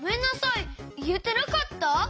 いえてなかった？